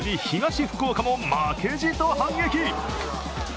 東福岡ま負けじと反撃。